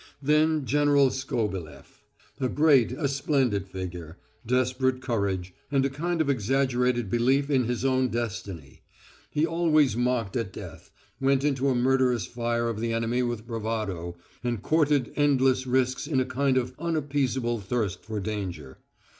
Then General Skobelef. A great, a splendid figure. Desperate courage, and a kind of exaggerated belief in his own destiny. He always mocked at death, went into a murderous fire of the enemy with bravado, and courted endless risks in a kind of unappeasable thirst for danger.